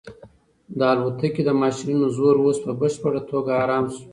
د الوتکې د ماشینونو زور اوس په بشپړه توګه ارام شو.